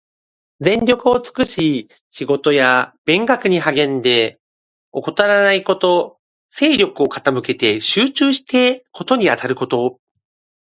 全力を尽くし仕事や勉学に励んで、怠らないこと。精力を傾けて集中して事にあたること。